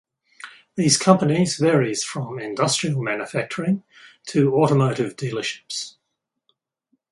These companies varies from industrial manufacturing to automotive dealerships.